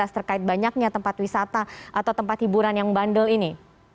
terkait banyaknya tempat wisata atau tempat hiburan yang bandel ini